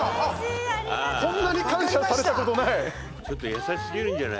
こんなに感謝されたことない！